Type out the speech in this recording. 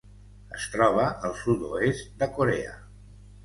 Es troba al sud-oest de Corea.